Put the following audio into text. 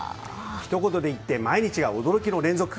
ひと言で言って毎日が驚きの連続。